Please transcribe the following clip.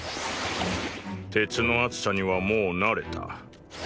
鉄の熱さにはもう慣れた。